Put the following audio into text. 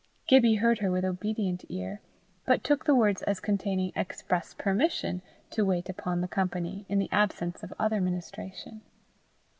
Gibbie heard with obedient ear, but took the words as containing express permission to wait upon the company in the absence of other ministration.